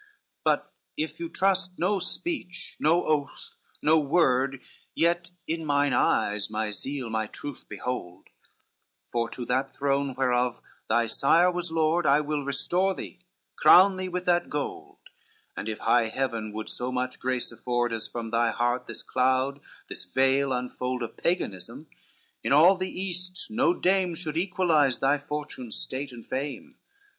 CXXXV "But if you trust no speech, no oath, no word; Yet in mine eyes, my zeal, my truth behold: For to that throne, whereof thy sire was lord, I will restore thee, crown thee with that gold, And if high Heaven would so much grace afford As from thy heart this cloud this veil unfold Of Paganism, in all the east no dame Should equalize thy fortune, state and fame."